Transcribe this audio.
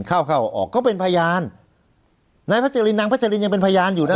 เข้าเข้าออกเขาเป็นพยานนายพัชรินนางพัชรินยังเป็นพยานอยู่นะ